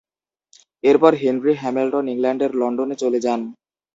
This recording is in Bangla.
এরপর হেনরি হ্যামিল্টন ইংল্যান্ডের লন্ডনে চলে যান।